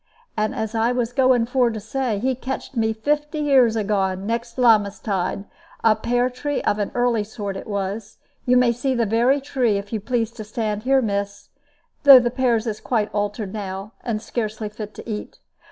And as I was going for to say, he catched me fifty years agone next Lammas tide; a pear tree of an early sort it was; you may see the very tree if you please to stand here, miss, though the pears is quite altered now, and scarcely fit to eat.